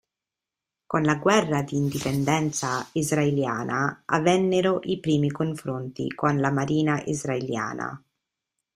Con la guerra di indipendenza israeliana avvennero i primi confronti con la marina israeliana.